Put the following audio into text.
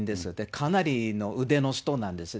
かなりの腕の人なんですね。